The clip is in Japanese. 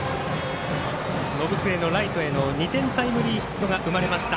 延末のライトへの２点タイムリーヒットが生まれました。